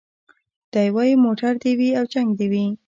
دی وايي موټر دي وي او جنګ دي وي